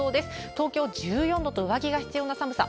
東京１４度と上着が必要な寒さ。